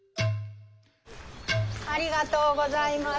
ありがとうございます。